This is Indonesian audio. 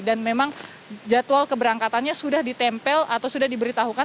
dan memang jadwal keberangkatannya sudah ditempel atau sudah diberitahukan